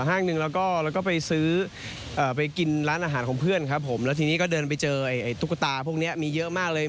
ห้างหนึ่งแล้วก็ไปซื้อไปกินร้านอาหารของเพื่อนครับผมแล้วทีนี้ก็เดินไปเจอไอ้ตุ๊กตาพวกนี้มีเยอะมากเลย